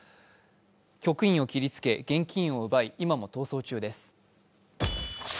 局員を切りつけ、現金を奪い、今も逃走中です。